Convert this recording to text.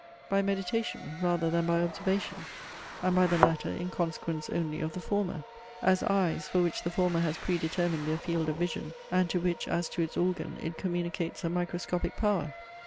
By meditation, rather than by observation? And by the latter in consequence only of the former? As eyes, for which the former has pre determined their field of vision, and to which, as to its organ, it communicates a microscopic power?